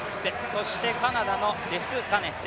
そしてカナダのデスガネス。